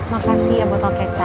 makasih ya botol kecap